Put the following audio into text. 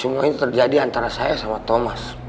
semua ini terjadi antara saya sama thomas